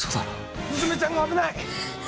雀ちゃんが危ない！